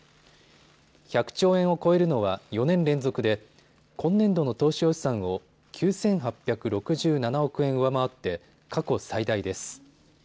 １００兆円を超えるのは４年連続で今年度の当初予算を９８６７億円上回って過去最大です。